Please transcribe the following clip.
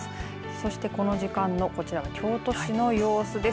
そして、この時間の京都市の様子です。